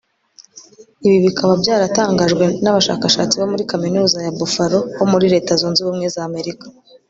Ibi bikaba byaratangajwe n’abashakashatsi bo muri Kaminuza ya Buffalo ho muri Leta Zunze Ubumwe z’Amerika